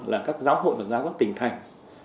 là các giáo hội phật giáo có tình thành